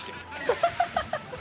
ハハハハ！